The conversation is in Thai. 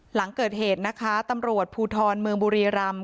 หลังเกิดเหตุนะคะตำรวจภูทรเมืองบุรีรำ